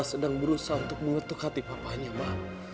siva sedang berusaha untuk mengetuk hati papahnya ma